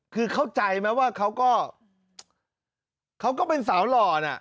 คือเข้าใจไหมว่าเขาก็เป็นสาวหล่อนะ